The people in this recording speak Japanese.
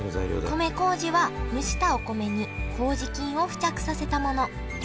米こうじは蒸したお米にこうじ菌を付着させたもの。